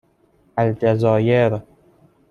الجزایر